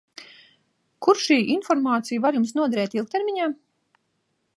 Kur šī informācija var Jums noderēt ilgtermiņā?